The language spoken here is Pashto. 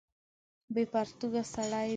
بې پرتوګه سړی دی.